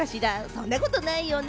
そんなことないよね。